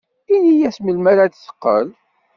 Ini-as melmi ara d-teqqel.